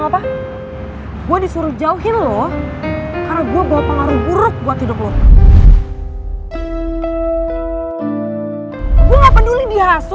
tadi gua ketemu sama bokap lo